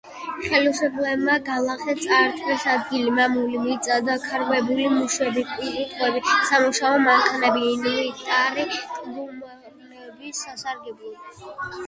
ხელისუფლებმა გლეხებს წაართვა ადგილ-მამულები, მიწა, დაქირავებული მუშები, პირუტყვი, სამუშაო მანქანები, ინვენტარი კოლმეურნეობის სასარგებლოდ.